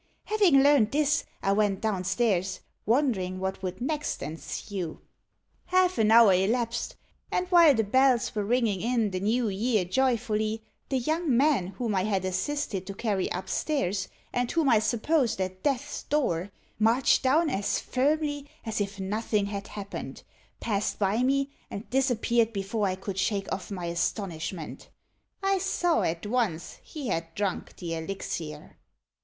Having learnt this, I went down stairs, wondering what would next ensue. Half an hour elapsed, and while the bells were ringing in the new year joyfully, the young man whom I had assisted to carry up stairs, and whom I supposed at death's door, marched down as firmly as if nothing had happened, passed by me, and disappeared, before I could shake off my astonishment. I saw at once he had drunk the elixir."